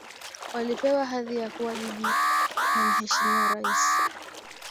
walipewa hadhi ya kuwa jiji na mheshimiwa rais